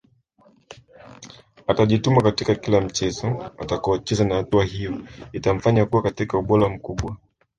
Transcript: Atajituma katika kila mchezo atakaocheza na hatua hiyo itamfanya kuwa katika ubora mkubwa